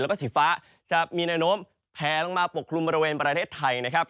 แล้วก็สีฟ้าจะมีแนวโน้มแพลลงมาปกคลุมบริเวณประเทศไทยนะครับ